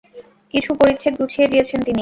কিছু পরিচ্ছেদ গুছিয়ে দিয়েছেন তিনি।